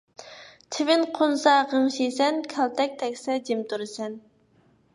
چىۋىن قونسا غىڭشىيسەن، كالتەك تەگسە جىم تۇرىسەن